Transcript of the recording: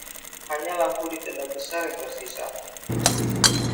Hanya lampu di tenda besar yang tersisa.